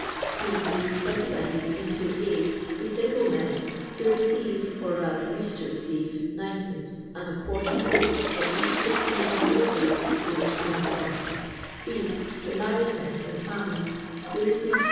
These may be subdivided into — (a) the single men, who receive, or rather used to receive, 9d, and a quartern loaf for each of the throe or more days they wore so employed ; (b) the married men with families, who receive 7i.